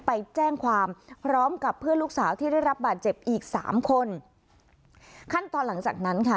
ไปแจ้งความพร้อมกับเพื่อนลูกสาวที่ได้รับบาดเจ็บอีกสามคนขั้นตอนหลังจากนั้นค่ะ